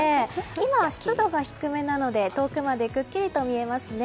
今、湿度が低めなので遠くまでくっきりと見えますね。